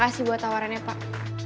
makasih buat tawarannya pak